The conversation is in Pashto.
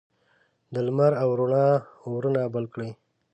د لمر او د روڼا اورونه بل کړي